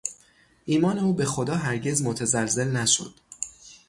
ایمان او به خدا هرگز متزلزل نشد.